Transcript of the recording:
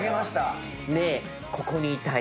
「ねぇここにいたい」